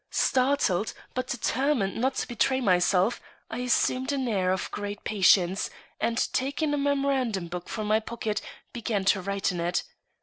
Startled, but determined not to betray myself, I assumed an air of great patience, and, taking a memorandum book from my pocket, began to write in it.